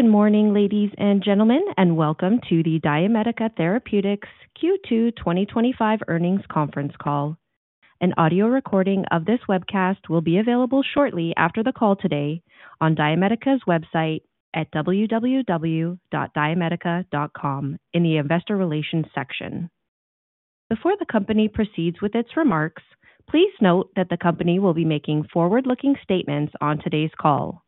Good morning, ladies and gentlemen, and welcome to the DiaMedica Therapeutics Q2 2025 Earnings Conference Call. An audio recording of this webcast will be available shortly after the call today on DiaMedica's website at www.diamedica.com in the Investor Relations section. Before the company proceeds with its remarks, please note that the company will be making forward-looking statements on today's call.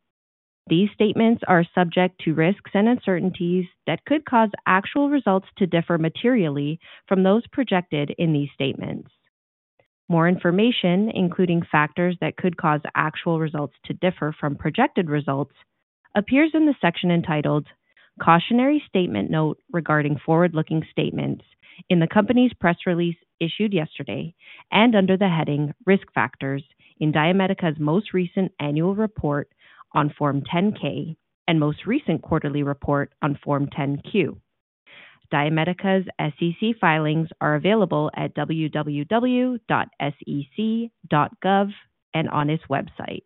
These statements are subject to risks and uncertainties that could cause actual results to differ materially from those projected in these statements. More information, including factors that could cause actual results to differ from projected results, appears in the section entitled "Cautionary Statement Note Regarding Forward-Looking Statements" in the company's press release issued yesterday and under the heading "Risk Factors" in DiaMedica's most recent annual report on Form 10-K and most recent quarterly report on Form 10-Q. DiaMedica's SEC filings are available at www.sec.gov and on its website.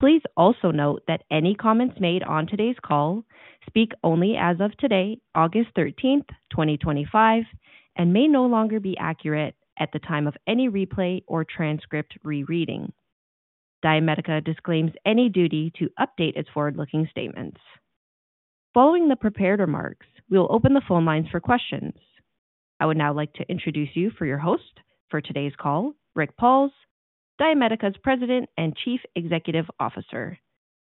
Please also note that any comments made on today's call speak only as of today, August 13, 2025, and may no longer be accurate at the time of any replay or transcript re-reading. DiaMedica disclaims any duty to update its forward-looking statements. Following the prepared remarks, we will open the phone lines for questions. I would now like to introduce you to your host for today's call, Rick Pauls, DiaMedica's President and Chief Executive Officer.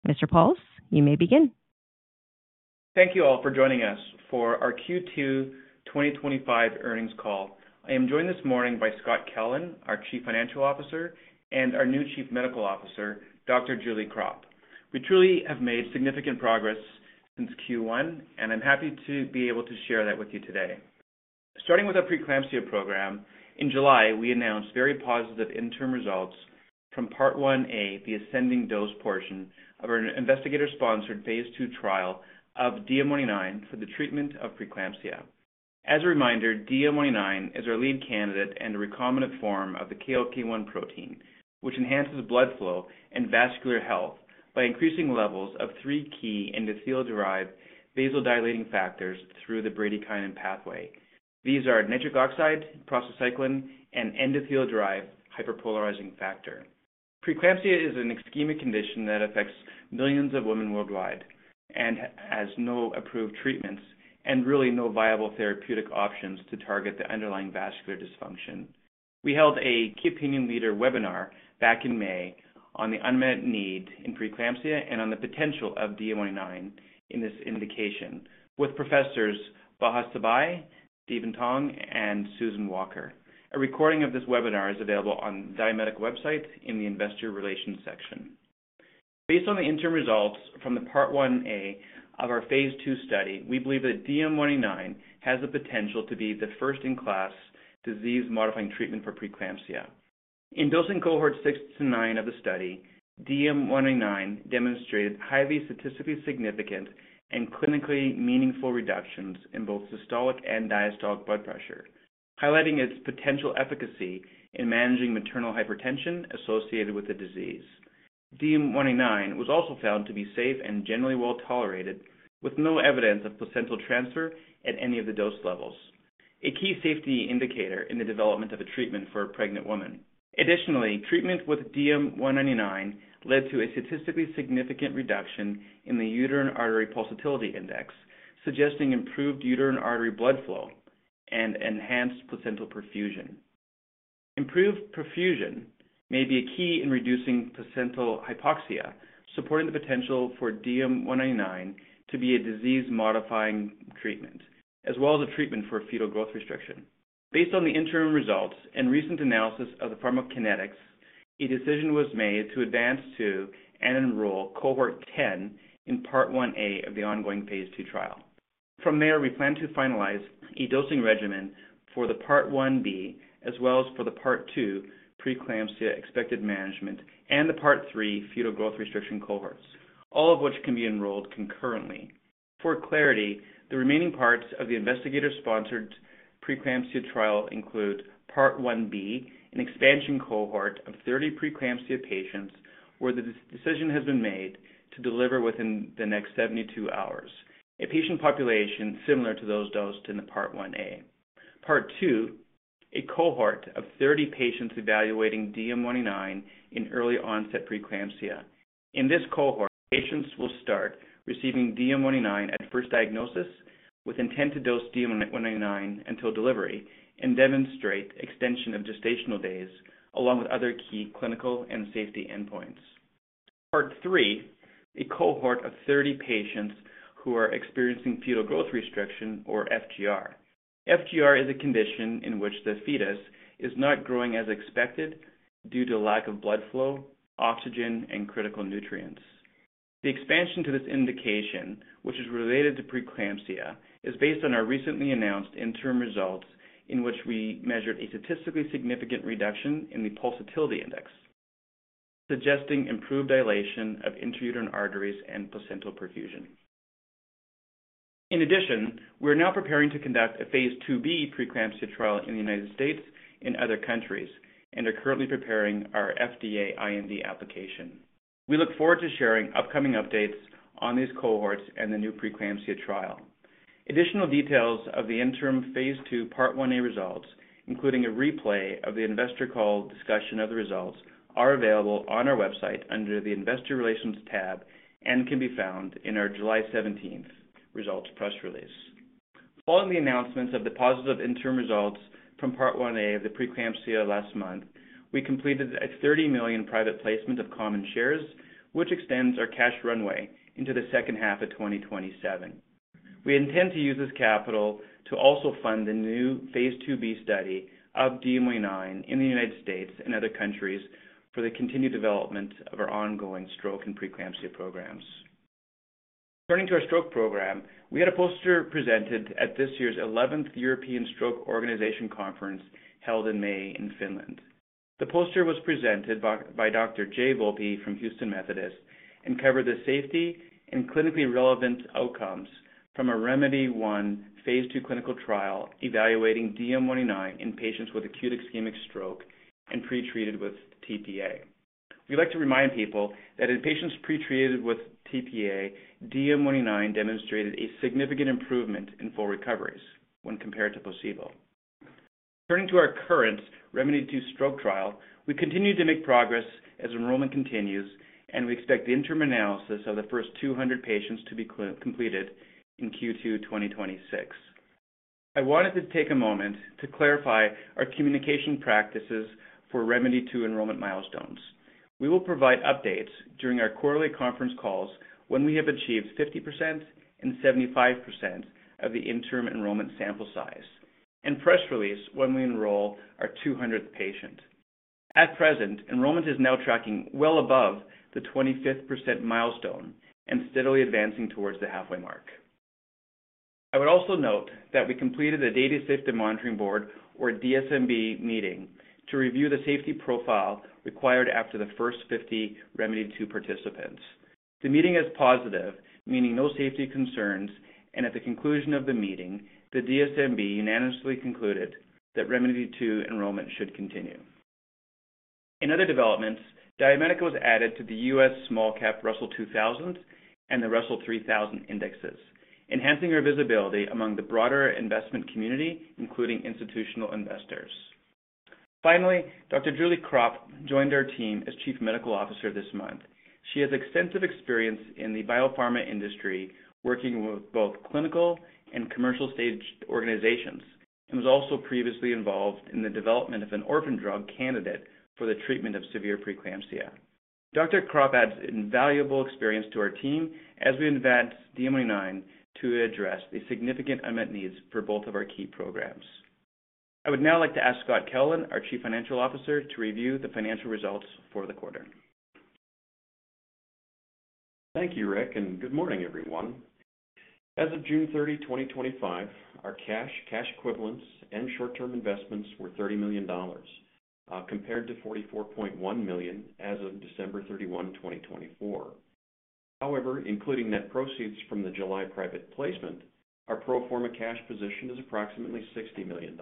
Mr. Pauls, you may begin. Thank you all for joining us for our Q2 2025 earnings call. I am joined this morning by Scott Kellen, our Chief Financial Officer, and our new Chief Medical Officer, Dr. Julie Krop. We truly have made significant progress since Q1, and I'm happy to be able to share that with you today. Starting with our preeclampsia program, in July, we announced very positive interim results from Part 1-A, the ascending dose portion of our investigator-sponsored Phase II trial of DM199 for the treatment of preeclampsia. As a reminder, DM199 is our lead candidate and a recombinant form of the KLK1 protein, which enhances blood flow and vascular health by increasing levels of three key endothelial-derived vasodilating factors through the bradykinin pathway. These are nitric oxide, prostacyclin, and endothelial-derived hyperpolarizing factor. Preeclampsia is an ischemic condition that affects millions of women worldwide and has no approved treatments and really no viable therapeutic options to target the underlying vascular dysfunction. We held a Key Opinion Leader webinar back in May on the unmet need in preeclampsia and on the potential of DM199 in this indication with Professors Baha Sabai, Steven Tong, and Susan Walker. A recording of this webinar is available on the DiaMedica website in the Investor Relations section. Based on the interim results from the Part 1-A of our Phase II study, we believe that DM199 has the potential to be the first-in-class disease-modifying treatment for preeclampsia. In dosing cohorts 6-9 of the study, DM199 demonstrated highly statistically significant and clinically meaningful reductions in both systolic and diastolic blood pressure, highlighting its potential efficacy in managing maternal hypertension associated with the disease. DM199 was also found to be safe and generally well tolerated, with no evidence of placental transfer at any of the dose levels, a key safety indicator in the development of a treatment for a pregnant woman. Additionally, treatment with DM199 led to a statistically significant reduction in the uterine artery pulsatility index, suggesting improved uterine artery blood flow and enhanced placental perfusion. Improved perfusion may be a key in reducing placental hypoxia, supporting the potential for DM199 to be a disease-modifying treatment, as well as a treatment for fetal growth restriction. Based on the interim results and recent analysis of the pharmacokinetics, a decision was made to advance to and enroll Cohort 10 in Part 1-A of the ongoing Phase II trial. From there, we plan to finalize a dosing regimen for the Part 1-B, as well as for the Part 2 preeclampsia expected management and the Part 3 Fetal Growth Restriction cohorts, all of which can be enrolled concurrently. For clarity, the remaining parts of the investigator-sponsored preeclampsia trial include Part 1-B, an expansion cohort of 30 preeclampsia patients where the decision has been made to deliver within the next 72 hours, a patient population similar to those dosed in the Part 1-A. Part 2, a cohort of 30 patients evaluating DM199 in early-onset preeclampsia. In this cohort, patients will start receiving DM199 at first diagnosis with intent to dose DM199 until delivery and demonstrate extension of gestational days, along with other key clinical and safety endpoints. Part 3, a cohort of 30 patients who are experiencing Fetal Growth Restriction, or FGR. FGR is a condition in which the fetus is not growing as expected due to lack of blood flow, oxygen, and critical nutrients. The expansion to this indication, which is related to preeclampsia, is based on our recently announced interim results in which we measured a statistically significant reduction in the uterine artery pulsatility index, suggesting improved dilation of intrauterine arteries and placental perfusion. In addition, we are now preparing to conduct a Phase II-B preeclampsia trial in the U.S. and other countries and are currently preparing our FDA IND application. We look forward to sharing upcoming updates on these cohorts and the new preeclampsia trial. Additional details of the interim Phase II Part 1-A results, including a replay of the investor call discussion of the results, are available on our website under the Investor Relations tab and can be found in our July 17th results press release. Following the announcements of the positive interim results from Part 1-A of the preeclampsia last month, we completed a $30 million private placement of common shares, which extends our cash runway into the second half of 2027. We intend to use this capital to also fund the new Phase II-B study of DM199 in the U.S. and other countries for the continued development of our ongoing stroke and preeclampsia programs. Turning to our stroke program, we had a poster presented at this year's 11th European Stroke Organization Conference held in May in Finland. The poster was presented by Dr. J. Volpi from Houston Methodist and covered the safety and clinically relevant outcomes from a REMEDY-1 Phase II clinical trial evaluating DM199 in patients with acute ischemic stroke and pre-treated with TPA. We'd like to remind people that in patients pre-treated with TPA, DM199 demonstrated a significant improvement in full recoveries when compared to placebo. Turning to our current REMEDY-2 stroke trial, we continue to make progress as enrollment continues, and we expect the interim analysis of the first 200 patients to be completed in Q2 2026. I wanted to take a moment to clarify our communication practices for REMEDY-2 enrollment milestones. We will provide updates during our quarterly conference calls when we have achieved 50% and 75% of the interim enrollment sample size and press release when we enroll our 200th patient. At present, enrollment is now tracking well above the 25% milestone and steadily advancing towards the halfway mark. I would also note that we completed a Data Safety Monitoring Board, or DSMB, meeting to review the safety profile required after the first 50 REMEDY-2 participants. The meeting is positive, meaning no safety concerns, and at the conclusion of the meeting, the DSMB unanimously concluded that REMEDY-2 enrollment should continue. In other developments, DiaMedica was added to the U.S. Small-Cap Russell 2000 and the Russell 3000 indexes, enhancing our visibility among the broader investment community, including institutional investors. Finally, Dr. Julie Krop joined our team as Chief Medical Officer this month. She has extensive experience in the biopharma industry, working with both clinical and commercial stage organizations, and was also previously involved in the development of an orphan drug candidate for the treatment of severe preeclampsia. Dr. Krop adds invaluable experience to our team as we advance DM199 to address the significant unmet needs for both of our key programs. I would now like to ask Scott Kellen, our Chief Financial Officer, to review the financial results for the quarter. Thank you, Rick, and good morning, everyone. As of June 30, 2025, our cash, cash equivalents, and short-term investments were $30 million, compared to $44.1 million as of December 31, 2024. However, including net proceeds from the July private placement, our pro forma cash position is approximately $60 million.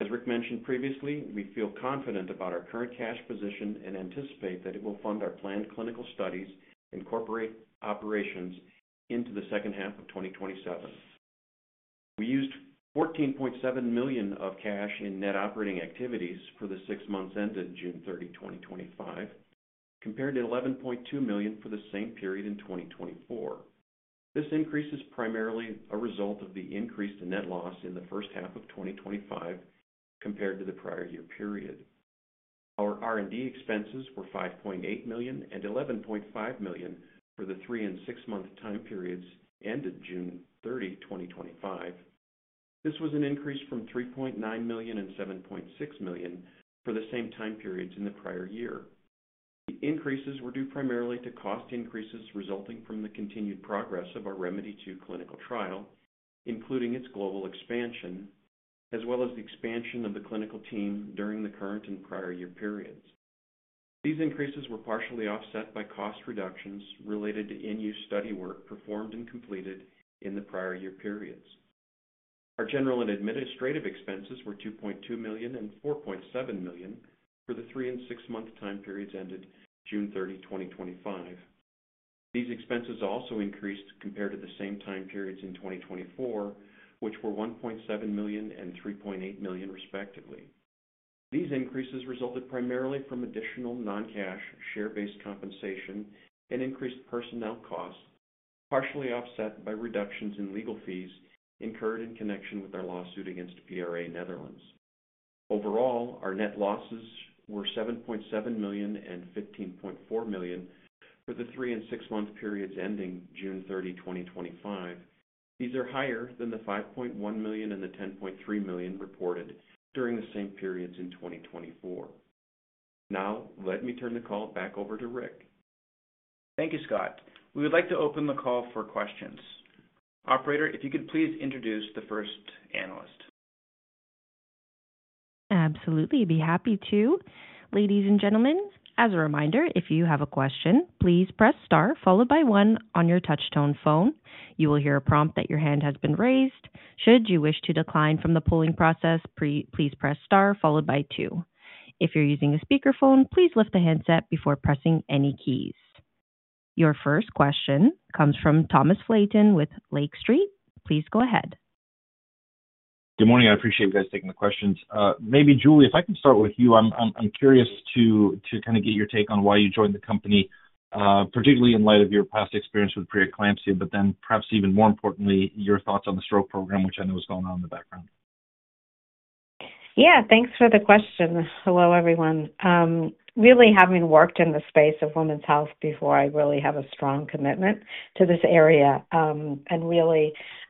As Rick mentioned previously, we feel confident about our current cash position and anticipate that it will fund our planned clinical studies and corporate operations into the second half of 2027. We used $14.7 million of cash in net operating activities for the six months ended June 30, 2025, compared to $11.2 million for the same period in 2024. This increase is primarily a result of the increased net loss in the first half of 2025 compared to the prior year period. Our R&D expenses were $5.8 million and $11.5 million for the three and six-month time periods ended June 30, 2025. This was an increase from $3.9 million and $7.6 million for the same time periods in the prior year. The increases were due primarily to cost increases resulting from the continued progress of our REMEDY-2 clinical trial, including its global expansion, as well as the expansion of the clinical team during the current and prior year periods. These increases were partially offset by cost reductions related to in-use study work performed and completed in the prior year periods. Our general and administrative expenses were $2.2 million and $4.7 million for the three and six-month time periods ended June 30, 2025. These expenses also increased compared to the same time periods in 2024, which were $1.7 million and $3.8 million, respectively. These increases resulted primarily from additional non-cash share-based compensation and increased personnel costs, partially offset by reductions in legal fees incurred in connection with our lawsuit against PRA Netherlands. Overall, our net losses were $7.7 million and $15.4 million for the three and six-month periods ending June 30, 2025. These are higher than the $5.1 million and the $10.3 million reported during the same periods in 2024. Now, let me turn the call back over to Rick. Thank you, Scott. We would like to open the call for questions. Operator, if you could please introduce the first analyst. Absolutely. Be happy to. Ladies and gentlemen, as a reminder, if you have a question, please press star followed by one on your touch-tone phone. You will hear a prompt that your hand has been raised. Should you wish to decline from the polling process, please press star followed by two. If you're using a speakerphone, please lift the handset before pressing any keys. Your first question comes from Thomas Flaten with Lake Street. Please go ahead. Good morning. I appreciate you guys taking the questions. Maybe, Julie, if I could start with you, I'm curious to kind of get your take on why you joined the company, particularly in light of your past experience with preeclampsia, but then perhaps even more importantly, your thoughts on the stroke program, which I know is going on in the background. Yeah, thanks for the question. Hello, everyone. Really having worked in the space of women's health before, I really have a strong commitment to this area and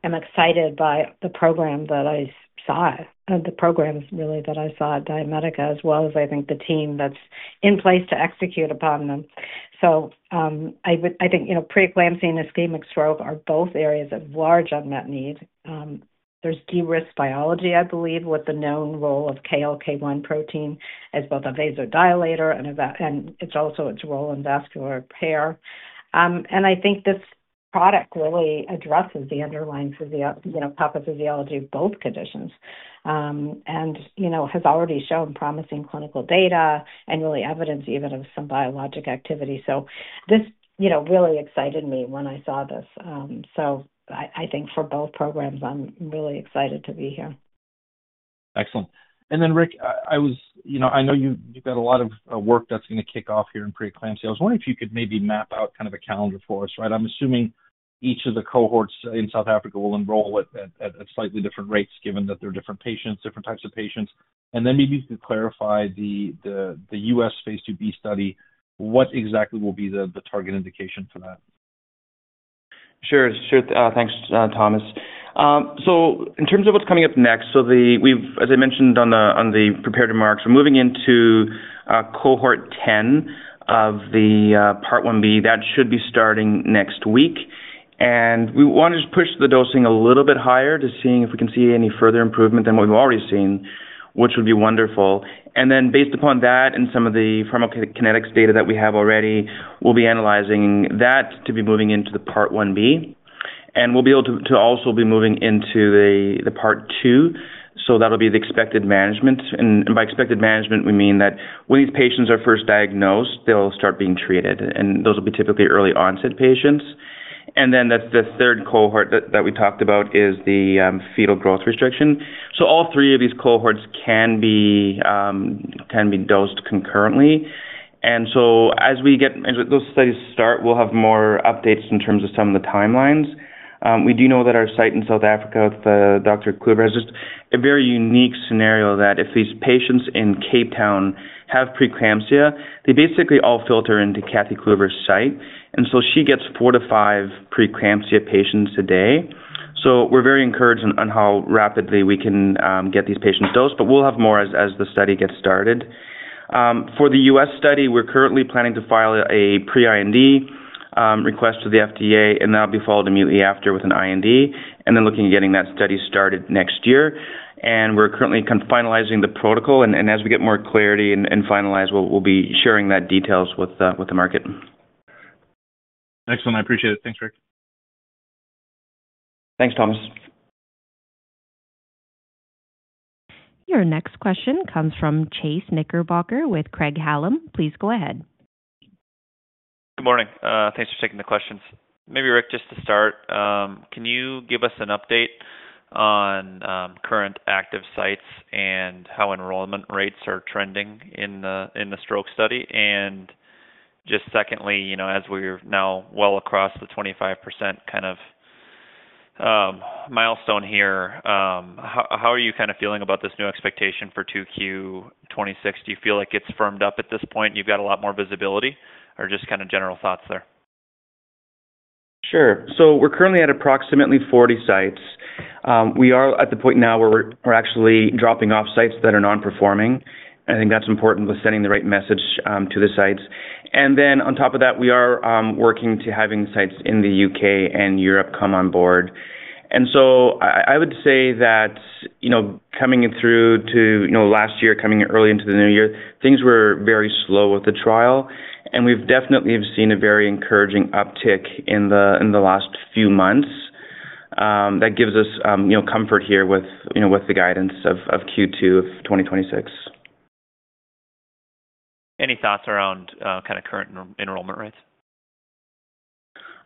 am excited by the program that I saw, the programs that I saw at DiaMedica, as well as the team that's in place to execute upon them. I think preeclampsia and ischemic stroke are both areas of large unmet need. There's de-risked biology, I believe, with the known role of KLK1 protein as both a vasodilator and its role in vascular repair. I think this product really addresses the underlying pathophysiology of both conditions and has already shown promising clinical data and evidence even of some biologic activity. This really excited me when I saw this. For both programs, I'm really excited to be here. Excellent. Rick, I know you've got a lot of work that's going to kick off here in preeclampsia. I was wondering if you could maybe map out kind of a calendar for us, right? I'm assuming each of the cohorts in South Africa will enroll at slightly different rates given that there are different patients, different types of patients. Maybe you could clarify the U.S. Phase II-B study, what exactly will be the target indication for that? Sure. Thanks, Thomas. In terms of what's coming up next, as I mentioned in the prepared remarks, we're moving into Cohort 10 of the Part 1-B that should be starting next week. We wanted to push the dosing a little bit higher to see if we can see any further improvement than what we've already seen, which would be wonderful. Based upon that and some of the pharmacokinetics data that we have already, we'll be analyzing that to be moving into the Part 1-B. We'll also be able to be moving into the Part 2. That'll be the expected management. By expected management, we mean that when these patients are first diagnosed, they'll start being treated. Those will be typically early-onset patients. The third cohort that we talked about is the fetal growth restriction. All three of these cohorts can be dosed concurrently. As we get those studies to start, we'll have more updates in terms of some of the timelines. We do know that our site in South Africa with Dr. Kluivert is just a very unique scenario. If these patients in Cape Town have preeclampsia, they basically all filter into Kathy Kluivert's site, and she gets four to five preeclampsia patients a day. We're very encouraged on how rapidly we can get these patients dosed, but we'll have more as the study gets started. For the U.S. study, we're currently planning to file a pre-IND request to the FDA, and that'll be followed immediately after with an IND and then looking at getting that study started next year. We're currently finalizing the protocol, and as we get more clarity and finalize, we'll be sharing that details with the market. Excellent. I appreciate it. Thanks, Rick. Thanks, Thomas. Your next question comes from Chase Knickerbocker with Craig-Hallum. Please go ahead. Good morning. Thanks for taking the questions. Maybe, Rick, just to start, can you give us an update on current active sites and how enrollment rates are trending in the stroke study? Just secondly, as we're now well across the 25% kind of milestone here, how are you kind of feeling about this new expectation for Q2 2026? Do you feel like it's firmed up at this point? You've got a lot more visibility or just kind of general thoughts there? Sure. We're currently at approximately 40 sites. We are at the point now where we're actually dropping off sites that are non-performing. I think that's important with sending the right message to the sites. On top of that, we are working to having sites in the U.K. and Europe come on board. I would say that, coming through to last year, coming early into the new year, things were very slow with the trial. We've definitely seen a very encouraging uptick in the last few months. That gives us comfort here with the guidance of Q2 of 2026. Any thoughts around current enrollment rates?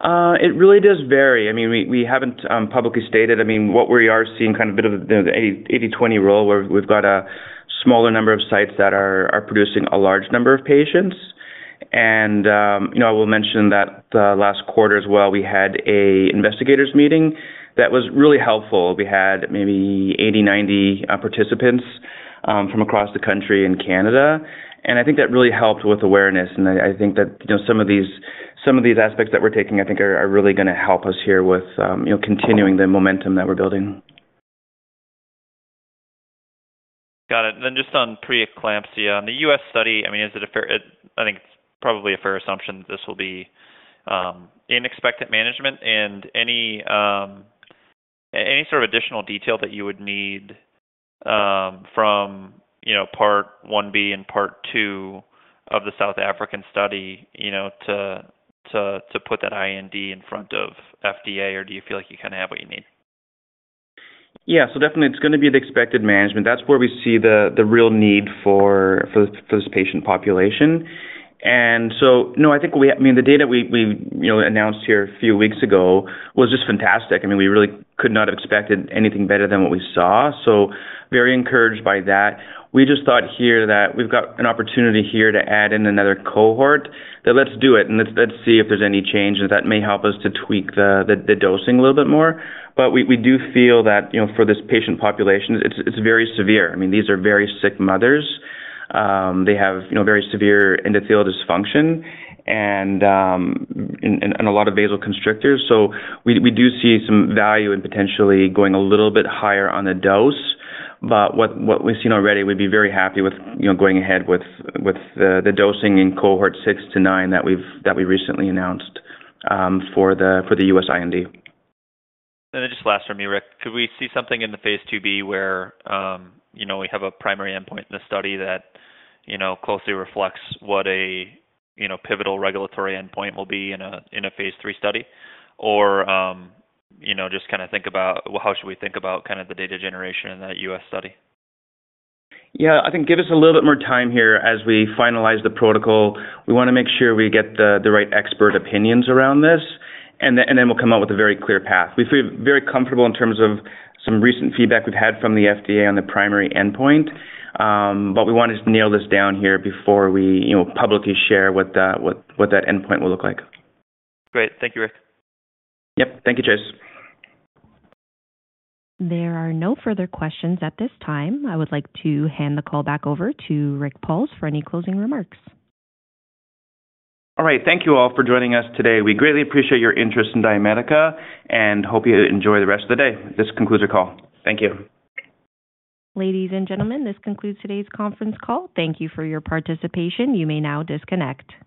It really does vary. We haven't publicly stated, I mean, what we are seeing is kind of a bit of an 80, 20 rule where we've got a smaller number of sites that are producing a large number of patients. I will mention that the last quarter as well, we had an investigators' meeting that was really helpful. We had maybe 80, 90 participants from across the country and Canada. I think that really helped with awareness. I think that some of these aspects that we're taking are really going to help us here with continuing the momentum that we're building. Got it. Just on preeclampsia, on the U.S. study, I mean, is it a fair, I think it's probably a fair assumption that this will be in expected management. Any sort of additional detail that you would need from Part 1-B and Part 2 of the South African study to put that IND in front of FDA, or do you feel like you kind of have what you need? Yeah, so definitely it's going to be the expected management. That's where we see the real need for this patient population. No, I think what we, I mean, the data we announced here a few weeks ago was just fantastic. I mean, we really could not have expected anything better than what we saw. Very encouraged by that. We just thought here that we've got an opportunity here to add in another cohort, that let's do it and let's see if there's any change and that may help us to tweak the dosing a little bit more. We do feel that for this patient population, it's very severe. I mean, these are very sick mothers. They have very severe endothelial dysfunction and a lot of vasoconstrictors. We do see some value in potentially going a little bit higher on the dose. What we've seen already, we'd be very happy with going ahead with the dosing in Cohort 6-Cohort 9 that we recently announced for the U.S. IND. Could we see something in the Phase II-B where we have a primary endpoint in the study that closely reflects what a pivotal regulatory endpoint will be in a Phase III study? How should we think about the data generation in that U.S. study? I think give us a little bit more time here as we finalize the protocol. We want to make sure we get the right expert opinions around this. Then we'll come out with a very clear path. We're very comfortable in terms of some recent feedback we've had from the FDA on the primary endpoint. We want to nail this down here before we publicly share what that endpoint will look like. Great. Thank you, Rick. Thank you, Chase. There are no further questions at this time. I would like to hand the call back over to Rick Pauls for any closing remarks. All right. Thank you all for joining us today. We greatly appreciate your interest in DiaMedica and hope you enjoy the rest of the day. This concludes our call. Thank you. Ladies and gentlemen, this concludes today's conference call. Thank you for your participation. You may now disconnect.